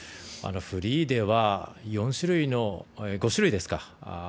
フリーでは、４種類の５種類ですか。